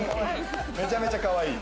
めちゃめちゃかわいい。